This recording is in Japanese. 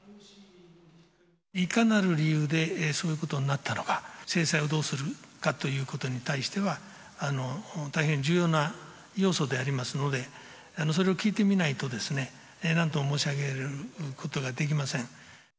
いかなる理由でそういうことになったのか、制裁をどうするかということに対しては、大変重要な要素でありますので、それを聞いてみないとですね、なんとも申し上げることができません。